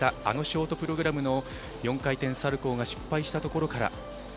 あのショートプログラムの４回転サルコーが失敗したところから